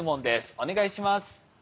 お願いします。